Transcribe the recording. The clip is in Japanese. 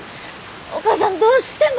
お母さんどうしても。